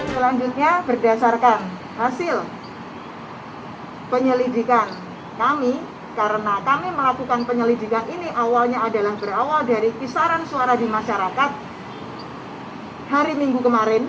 selanjutnya berdasarkan hasil penyelidikan kami karena kami melakukan penyelidikan ini awalnya adalah berawal dari kisaran suara di masyarakat hari minggu kemarin